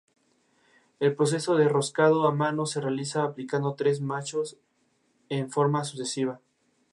El proceso del roscado a mano se realiza aplicando tres machos en forma sucesiva.